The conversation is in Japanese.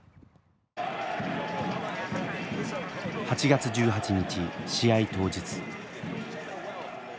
８月１８日試合当日。